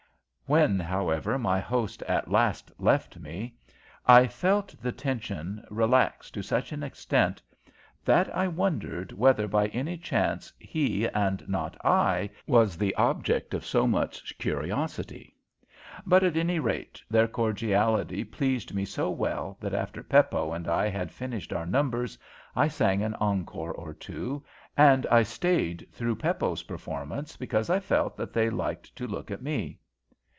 When, however, my host at last left me, I felt the tension relax to such an extent that I wondered whether by any chance he, and not I, was the object of so much curiosity. But, at any rate, their cordiality pleased me so well that after Peppo and I had finished our numbers I sang an encore or two, and I stayed through Peppo's performance because I felt that they liked to look at me.